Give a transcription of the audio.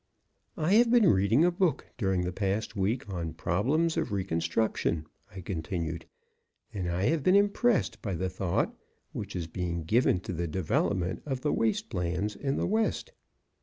"I have been reading a book during the past week on Problems of Reconstruction," I continued, "and I have been impressed by the thought which is being given to the development of the waste lands in the West."